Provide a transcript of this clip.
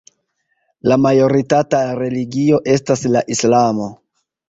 La majoritata religio estas la islamo.